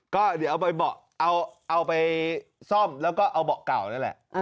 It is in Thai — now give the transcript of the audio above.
ก็เดี๋ยวเอาไปซ่อมแล้วก็เอาเบาะเก่านั่นแหละ